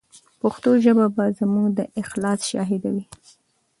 پښتو ژبه به زموږ د اخلاص شاهده وي.